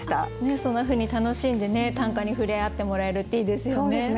そんなふうに楽しんで短歌に触れ合ってもらえるっていいですよね。